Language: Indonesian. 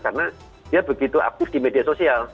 karena dia begitu aktif di media sosial